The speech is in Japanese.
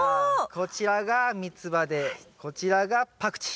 こちらがミツバでこちらがパクチー。